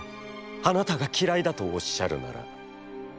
あなたがきらいだとおっしゃるなら」。